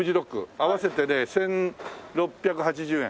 合わせてね１６８０円。